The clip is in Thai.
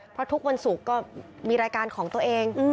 เพราะทุกวันศุกร์ก็มีรายการของตัวเอง